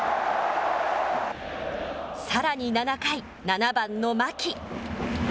さらに７回、７番の牧。